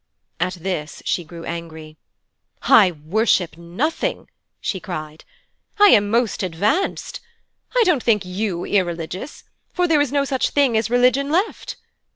At this she grew angry. 'I worship nothing!' she cried. 'I am most advanced. I don't think you irreligious, for there is no such thing as religion left.